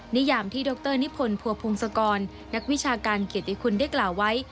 นิยามที่ดรนิพนธ์ภัวพงศกรนักวิชาการเกียรติคุณได้กล่าวไว้